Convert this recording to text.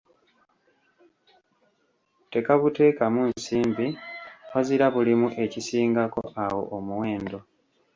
Tekabuteekamu nsimbi wazira bulimu ekisingako awo omuwendo.